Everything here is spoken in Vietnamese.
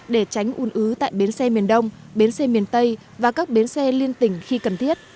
để tránh ủn ứ tại bến xe miền đông bến xe miền tây và các bến xe liên tỉnh khi cần thiết